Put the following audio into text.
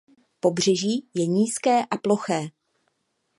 Pobřeží je nízké a ploché.